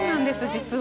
実は。